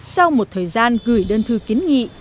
sau một thời gian gửi đơn thư kiến nghị